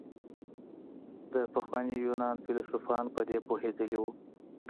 د پخواني يونان فيلسوفان په دې پوهېدلي وو.